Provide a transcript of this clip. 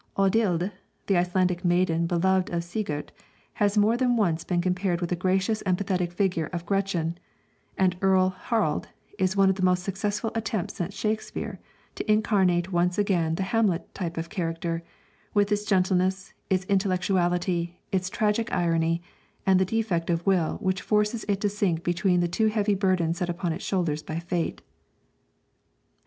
Audhild, the Icelandic maiden beloved of Sigurd, has more than once been compared with the gracious and pathetic figure of Gretchen; and Earl Harald is one of the most successful attempts since Shakespeare to incarnate once again the Hamlet type of character, with its gentleness, its intellectuality, its tragic irony, and the defect of will which forces it to sink beneath the too heavy burden set upon its shoulders by fate.